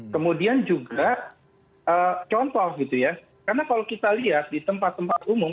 kemudian juga contoh gitu ya karena kalau kita lihat di tempat tempat umum